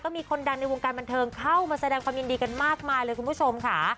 มีคนดังในวงการบันเทิงเข้ามาแสดงความยินดีกันมากมายเลยคุณผู้ชมค่ะ